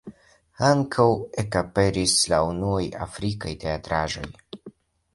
Ankaŭ ekaperis la unuaj afrikaj teatraĵoj.